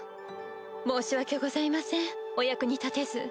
申し訳ございませんお役に立てず。